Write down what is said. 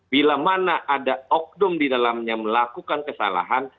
bila mana ada oknum di dalamnya melakukan kesalahan